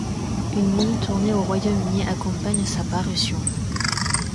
Une mini-tournée au Royaume-Uni accompagne sa parution.